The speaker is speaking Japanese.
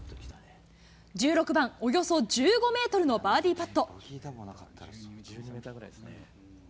１６番、およそ１５メートルのバーディーパット。